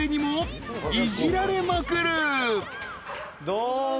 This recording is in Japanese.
どうも。